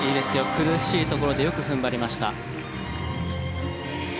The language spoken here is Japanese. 苦しいところでよく踏ん張りました。